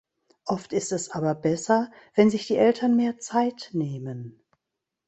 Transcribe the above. Oft ist es aber besser, wenn sich die Eltern mehr Zeit nehmen.